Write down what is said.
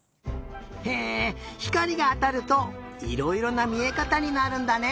へえひかりがあたるといろいろなみえかたになるんだね。